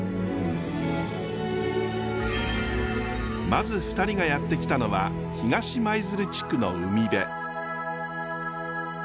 まず２人がやって来たのは東舞鶴地区の海辺。